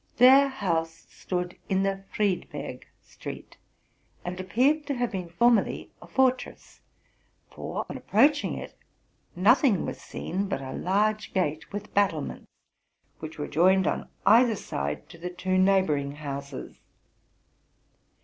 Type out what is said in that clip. Their house stood in the Friedberg Street, and appeared to have been formerly a fortress ; for, on approaching it, nothing was seen but a large gate with battlements, which were joined on either side to the two neighboring houses.